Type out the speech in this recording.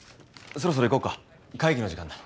そろそろ行こうか会議の時間だ。